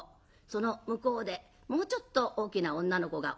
その向こうでもうちょっと大きな女の子がおるじゃろ？